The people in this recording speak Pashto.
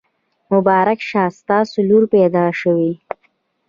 مبارک شه! ستاسو لور پیدا شوي.